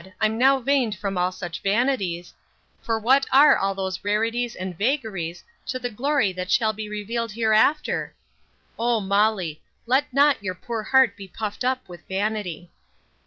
I'm now vaned from all such vanities; for what are all those rarities and vagaries to the glory that shall be revealed hereafter? O Molly! let not your poor heart be puffed up with vanity.